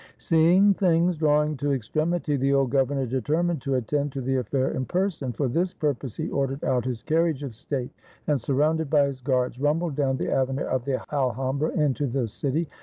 Seeing things drawing to extremity, the old governor determined to attend to the affair in person. For this purpose he ordered out his carriage of state, and, sur rounded by his guards, rumbled down the avenue of the Alhambra into the city.